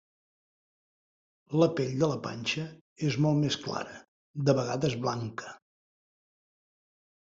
La pell de la panxa és molt més clara, de vegades blanca.